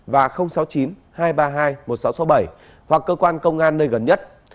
và sáu mươi chín hai trăm ba mươi hai một nghìn sáu trăm sáu mươi bảy hoặc cơ quan công an nơi gần nhất